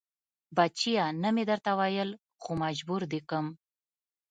بچيه نه مې درته ويل خو مجبور دې کم.